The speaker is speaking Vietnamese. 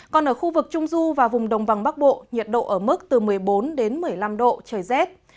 còn ở khu vực trung du và vùng đồng bằng bắc bộ nhiệt độ ở mức từ một mươi bốn đến một mươi năm độ trời rét